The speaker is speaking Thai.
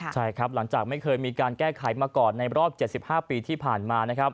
ใช่ครับหลังจากไม่เคยมีการแก้ไขมาก่อนในรอบ๗๕ปีที่ผ่านมานะครับ